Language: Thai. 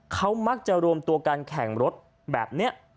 เขามักจะรวมตัวกันแข่งรถแบบนี้